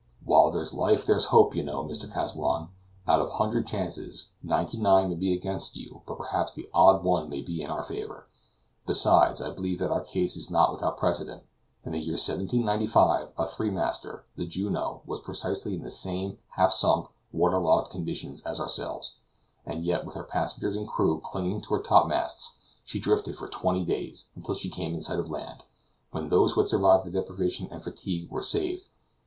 "While there's life there's hope, you know, Mr. Kazallon; out of a hundred chances, ninety nine may be against us, but perhaps the odd one may be in our favor. Besides, I believe that our case is not without precedent. In the year 1795, a three master, the Juno, was precisely in the same half sunk, water logged condition as ourselves; and yet, with her passengers and crew clinging to her top masts, she drifted for twenty days, until she came in sight of land, when those who had survived the deprivation and fatigue were saved.